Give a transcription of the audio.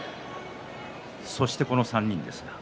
そしてこの３人です。